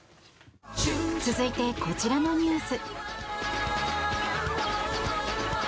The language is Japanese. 続いて、こちらのニュース。